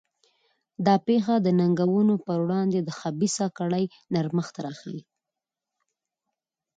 دا پېښه د ننګونو پر وړاندې د خبیثه کړۍ نرمښت راښيي.